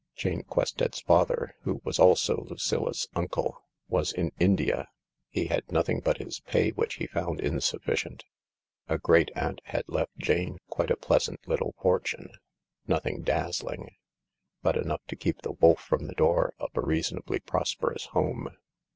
Jane Quested's father, who was also Lucilla 's uncle, was in India. He had nothing but his pay, which he found insuf ficient. A great ^aunt had left Jane quite a pleasant little fortune — nothing dazzling, but enough to keep the wolf from the door of a reasonably prosperous home.